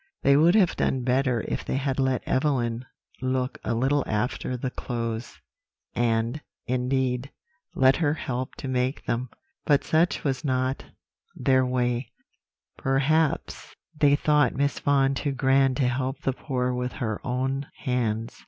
"They would have done better if they had let Evelyn look a little after the clothes, and, indeed, let her help to make them; but such was not their way; perhaps they thought Miss Vaughan too grand to help the poor with her own hands.